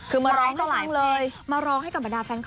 คือมาร้องตลอดเลยมาร้องให้กับบรรดาแฟนคลับ